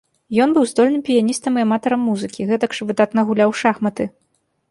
Ён быў здольным піяністам і аматарам музыкі, гэтак жа выдатна гуляў у шахматы.